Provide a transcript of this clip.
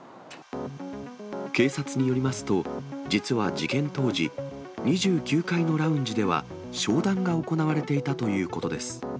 警察によりますと、実は事件当時、２９階のラウンジでは商談が行われていたということです。